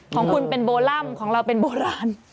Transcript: ของคุณเป็นโบร่ำของเราเป็นโบราณ